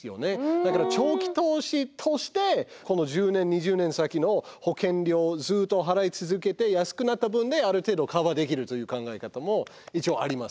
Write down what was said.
だから長期投資としてこの１０年２０年先の保険料ずっと払い続けて安くなった分である程度カバーできるという考え方も一応あります。